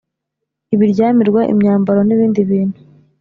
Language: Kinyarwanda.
ibiryamirwa imyambaro n ibindi bintu